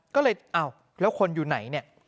ก็เลยอ้าวแล้วคนอยู่ไหนเนี่ย